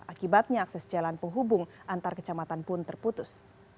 akibatnya akses jalan penghubung antar kecamatan pun terputus